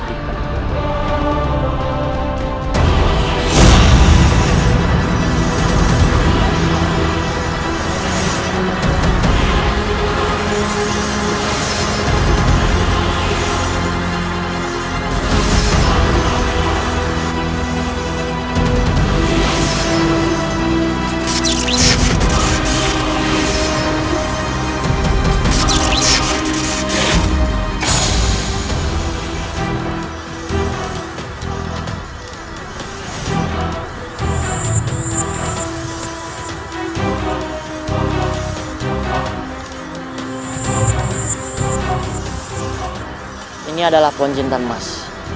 ini adalah pohon cinta mas